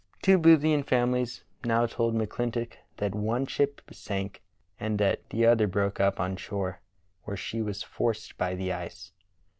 Two Boothian families now told McClintock that one ship sank and that the other broke up on shore where she was forced by the ice.